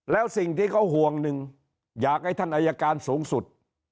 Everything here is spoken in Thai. แล้วสิ่งที่เขาห่วงหนึ่งอยากให้ท่านอายการสูงสุด